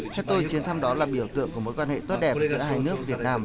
theo tôi chuyến thăm đó là biểu tượng của mối quan hệ tốt đẹp giữa hai nước